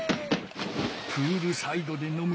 プールサイドでのむ